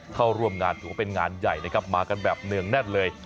เข้าร่วมงานถือว่าเป็นงานใหญ่นะครับมากันแบบเนื่องแน่นเลย